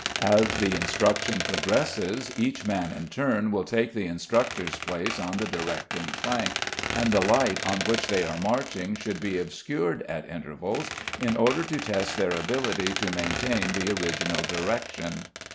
As the instruction progresses, each man in turn will take the instructor's place on the directing flank, and the light on which they are marching should be obscured at intervals, in order to test their ability to maintain the original direction.